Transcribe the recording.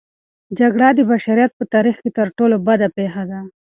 جګړه د بشریت په تاریخ کې تر ټولو بده پېښه ده.